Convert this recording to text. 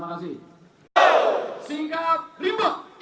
ini langkah mil